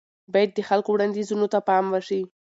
بايد د خلکو وړانديزونو ته پام وشي.